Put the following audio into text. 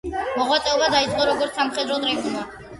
მოღვაწეობა დაიწყო როგორც სამხედრო ტრიბუნმა.